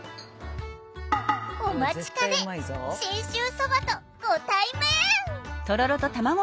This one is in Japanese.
お待ちかね信州そばとご対面！